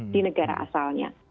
di negara asalnya